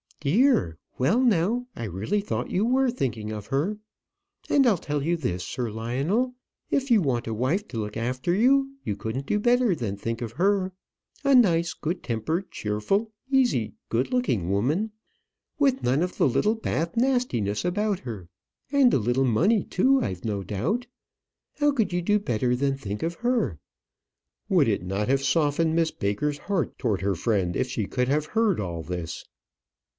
"Dear! well now, I really thought you were thinking of her. And I'll tell you this, Sir Lionel; if you want a wife to look after you, you couldn't do better than think of her a nice, good tempered, cheerful, easy, good looking woman; with none of the Littlebath nastiness about her; and a little money too, I've no doubt. How could you do better than think of her?" Would it not have softened Miss Baker's heart towards her friend if she could have heard all this?